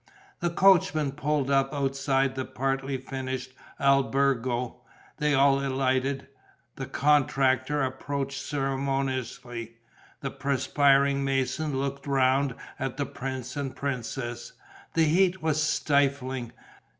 The coachman pulled up outside the partly finished albergo. They all alighted; the contractor approached ceremoniously; the perspiring masons looked round at the prince and princess. The heat was stifling.